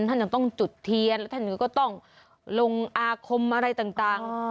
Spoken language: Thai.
ท่านจะต้องจุดเทียนแล้วท่านก็ต้องลงอาคมอะไรต่าง